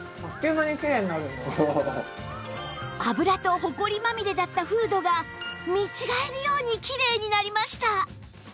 油とホコリまみれだったフードが見違えるようにきれいになりました